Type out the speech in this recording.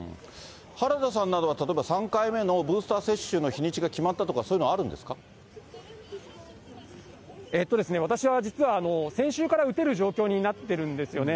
原田さんなどは、例えば３回目のブースター接種の日にちが決まったとか、私は実は、先週から打てる状況になってるんですよね。